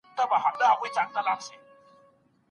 له خپله سیوري څخه ویریږي